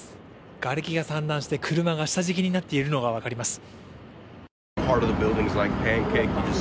がれきが散乱して車が下敷きになっているのがわかります。